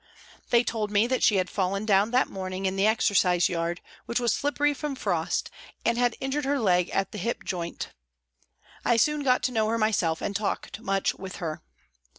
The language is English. They told me that she had fallen down that morning in the exercise yard, which was slippery from frost, and had injured her leg at the hip joint. I soon got to know her myself and talked much with her.